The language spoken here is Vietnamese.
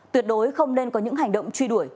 tuyệt đối không nên có những hành động truy đuổi